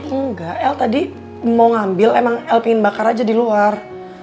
enggak el tadi mau ngambil emang el pengen bakar aja di luar